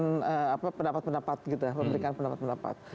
tidak bisa melakukan pendapat pendapat pemberikan pendapat pendapat